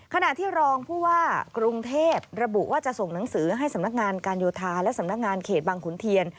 ขณะที่รองผู้ว่ากรุงเทพระบุว่าจะส่งหนังสือให้สำนักงานการโยธาและสำนักงานเขตบางขุนเทียน